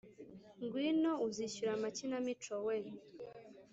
"ngwino, uzishyura amakinamico wee;